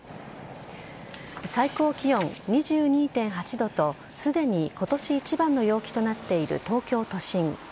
最高気温２２．８度と、すでにことし一番の陽気となっている東京都心。